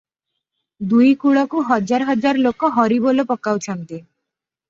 ଦୁଇ କୂଳରୁ ହଜାର ହଜାର ଲୋକ 'ହରିବୋଲ' ପକାଉଅଛନ୍ତି |